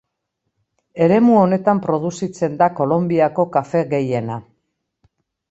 Eremu honetan produzitzen da Kolonbiako kafe gehiena.